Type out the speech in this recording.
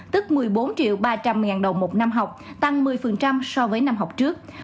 tức một mươi bốn ba trăm linh ngàn đồng một năm học tăng một mươi so với năm học trước